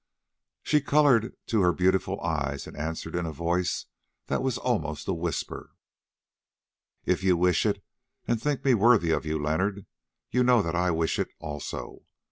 She coloured to her beautiful eyes and answered in a voice that was almost a whisper: "If you wish it and think me worthy of you, Leonard, you know that I wish it also.